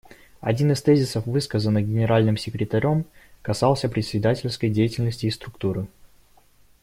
Один из тезисов, высказанных Генеральным секретарем, касался председательской деятельности и структуры.